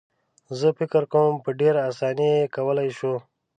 زه فکر کوم په ډېره اسانۍ یې کولای شو.